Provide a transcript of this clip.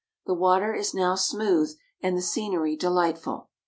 The water is now smooth, and the scenery delightful.